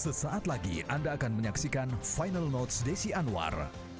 sesaat lagi anda akan menyaksikan final notes desi anwar